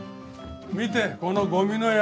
見てこのゴミの山。